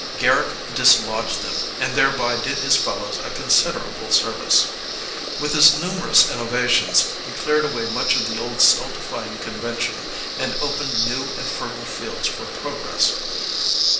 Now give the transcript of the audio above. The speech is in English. Garrick dis lodged them and thereby did his fellows a consid erable service. With his numerous innovations he cleared away much of the old stultifying convention and opened new and fertile fields for progress.